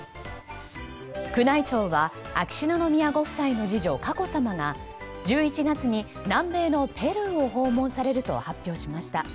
宮内庁は秋篠宮ご夫妻の次女・佳子さまが１１月に南米のペルーを訪問されると発表しました。